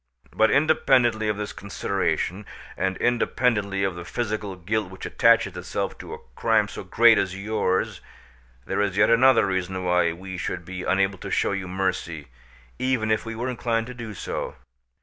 "But independently of this consideration, and independently of the physical guilt which attaches itself to a crime so great as yours, there is yet another reason why we should be unable to show you mercy, even if we were inclined to do so.